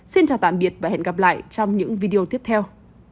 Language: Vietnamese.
xin chào tạm biệt và hẹn gặp lại trong những video tiếp theo